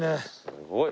すごい。